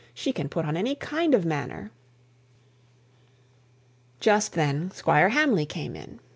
She can put on any kind of manner." Just then Squire Hamley came in.